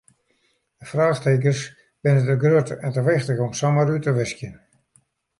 De fraachtekens binne te grut en te wichtich om samar út te wiskjen.